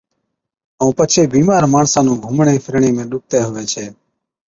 ائُون پڇي بِيمار ماڻسا نُون گھُمڻي ڦِرڻي ۾ ڏُکتَي هُوَي ڇَي۔